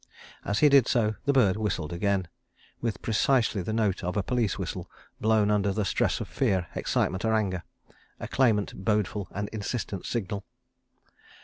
As he did so, the bird whistled again, with precisely the note of a police whistle blown under the stress of fear, excitement or anger, a clamant, bodeful, and insistent signal.